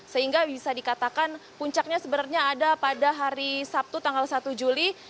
sehingga bisa dikatakan puncaknya sebenarnya ada pada hari sabtu tanggal satu juli